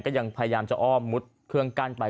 พยายามจะอ้อมมุดเครื่องกั้นไป